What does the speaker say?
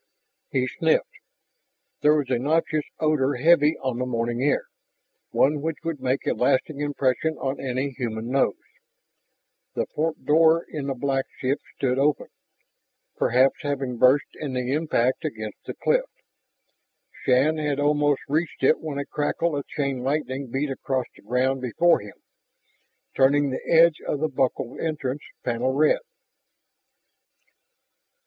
He sniffed. There was a nauseous odor heavy on the morning air, one which would make a lasting impression on any human nose. The port door in the black ship stood open, perhaps having burst in the impact against the cliff. Shann had almost reached it when a crackle of chain lightning beat across the ground before him, turning the edge of the buckled entrance panel red.